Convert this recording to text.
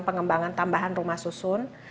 pengembangan tambahan rumah susun